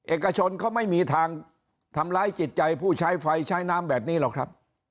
เอกชนเขาไม่มีทางทำร้ายจิตใจผู้ใช้ไฟใช้น้ำแบบนี้หรอกครับ